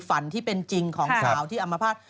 ฝันที่เป็นจริงของสาวที่อัมพาต